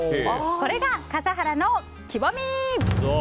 これが笠原の極み。